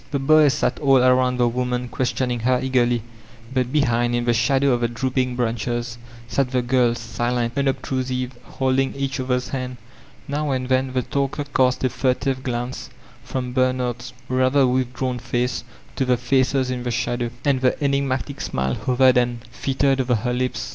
The boys sat all about the wonuui questioning her eagerly, but behind in the shadow of the drooping branches sat the girb» silent, unobtrusive, holding each other's hands. Now and then the talker cast a furtive glance from Bernard's rather withdrawn face to the faces in the shadow, and the enigmatic smile hovered and flitted over her lips.